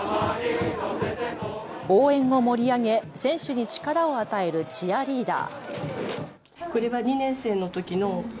応援を盛り上げ選手に力を与えるチアリーダー。